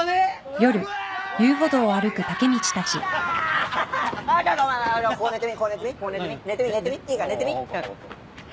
いいから寝てみ。